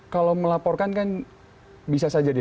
kalau melaporkan kan bisa saja deh